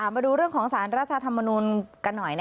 มาดูเรื่องของสารรัฐธรรมนุนกันหน่อย